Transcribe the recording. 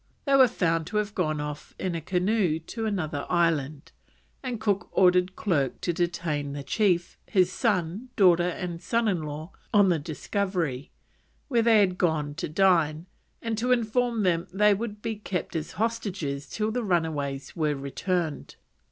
They were found to have gone off in a canoe to another island, and Cook ordered Clerke to detain the chief, his son, daughter, and son in law on the Discovery, where they had gone to dine, and to inform them they would be kept as hostages till the runaways were returned.